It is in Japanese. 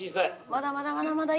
まだまだまだまだいける！